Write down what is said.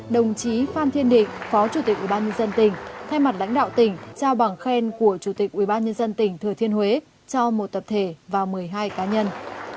đồng chí phan thiên định phó chủ tịch ubnd tỉnh thay mặt lãnh đạo tỉnh trao bằng khen của chủ tịch ubnd tỉnh thừa thiên huế cho một tập thể và một mươi hai cá nhân